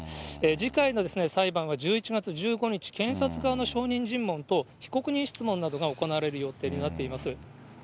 次回の裁判は１１月１５日、検察側の証人尋問と、被告人質問などが行われる予定になっています。